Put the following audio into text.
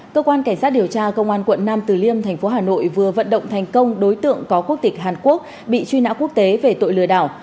cơ quan cảnh sát điều tra công an quận nam từ liêm thành phố hà nội vừa vận động thành công đối tượng có quốc tịch hàn quốc bị truy nã quốc tế về tội lừa đảo